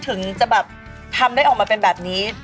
เป็นหน้าตัวเองเป็นอะไรอย่างนี้